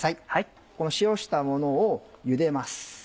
この塩したものをゆでます。